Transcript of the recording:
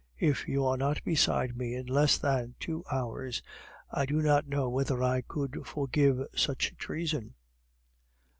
If you are not beside me in less than two hours, I do not know whether I could forgive such treason."